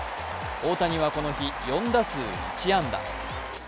大谷は、この日４打数１安打。